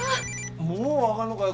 もう分がんのかよ